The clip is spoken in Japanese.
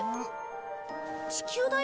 地球だよ。